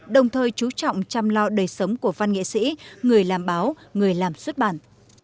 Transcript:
đồng thời chú trọng chăm lo đời sống của văn nghệ sĩ người làm báo người làm xuất bản